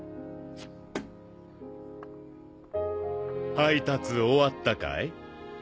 配達終わったかい？